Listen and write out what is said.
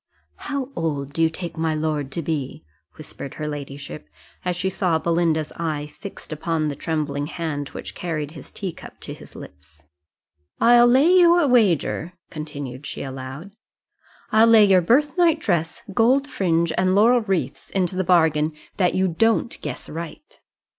"How old do you take my lord to be?" whispered her ladyship, as she saw Belinda's eye fixed upon the trembling hand which carried his teacup to his lips: "I'll lay you a wager," continued she aloud "I'll lay your birth night dress, gold fringe, and laurel wreaths into the bargain, that you don't guess right."